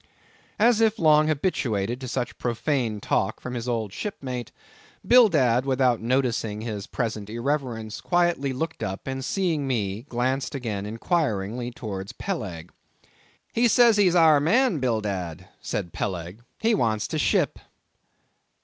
As if long habituated to such profane talk from his old shipmate, Bildad, without noticing his present irreverence, quietly looked up, and seeing me, glanced again inquiringly towards Peleg. "He says he's our man, Bildad," said Peleg, "he wants to ship."